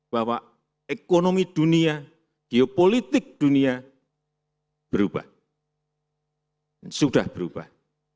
bahwa ekonomi dunia geopolitik dunia berubah sudah berubah